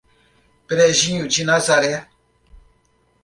Brejinho de Nazaré